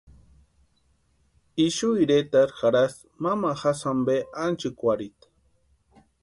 Ixu iretarhu jarhasti mamajasï ampe ánchikwarhita.